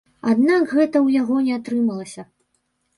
Аднак гэта ў яго не атрымалася.